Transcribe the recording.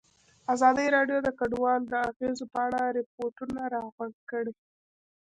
ازادي راډیو د کډوال د اغېزو په اړه ریپوټونه راغونډ کړي.